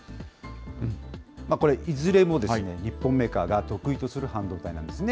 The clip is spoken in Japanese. これ、いずれも日本メーカーが得意とする半導体なんですね。